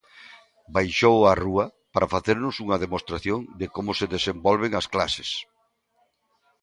Baixou á rúa para facernos unha demostración de como se desenvolven as clases.